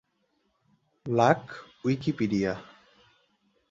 lakh Wikipedia